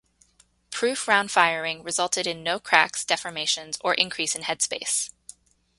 Proof round firing resulted in no cracks, deformations, or increase in head space.